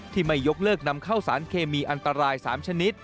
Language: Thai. ไม่ยกเลิกนำเข้าสารเคมีอันตราย๓ชนิด